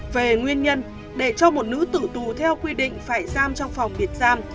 về nguyên nhân để cho một nữ tử tù theo quy định phải giam trong phòng biệt giam